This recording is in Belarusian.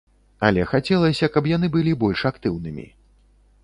Але хацелася, каб яны былі больш актыўнымі.